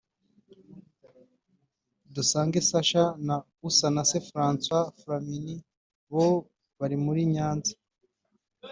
Dusange Sacha na Usanase Francois Flamini bo bari muri Nyanza